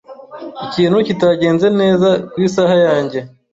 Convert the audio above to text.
Ikintu kitagenze neza ku isaha yanjye.